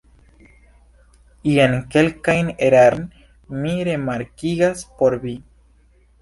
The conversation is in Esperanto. Jen kelkajn erarojn mi remarkigas por vi.